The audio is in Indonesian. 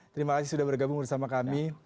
terima kasih sudah bergabung bersama kami